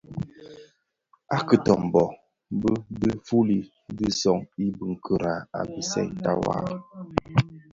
A kitömbö bi dhi fuli di zoň i biňkira a bisèntaï waa.